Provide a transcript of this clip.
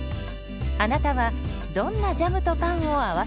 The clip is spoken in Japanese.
あなたはどんなジャムとパンを合わせますか？